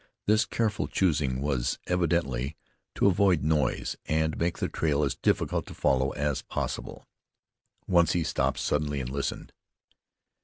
This careful choosing was, evidently, to avoid noise, and make the trail as difficult to follow as possible. Once he stopped suddenly, and listened.